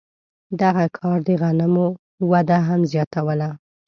دغه کار د غنمو وده هم زیاتوله.